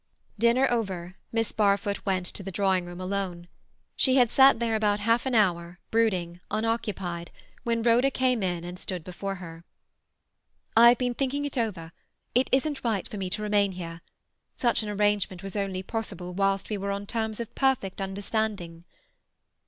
Dinner over, Miss Barfoot went to the drawing room alone. She had sat there about half an hour, brooding, unoccupied, when Rhoda came in and stood before her. "I have been thinking it over. It isn't right for me to remain here. Such an arrangement was only possible whilst we were on terms of perfect understanding."